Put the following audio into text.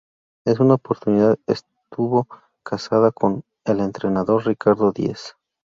En Una oportunidad estuvo casada con el Entrenador Ricardo Diez.